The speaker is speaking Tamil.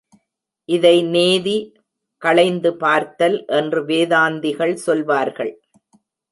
இதை நேதி களைந்து பார்த்தல் என்று வேதாந்திகள் சொல்வார்கள்.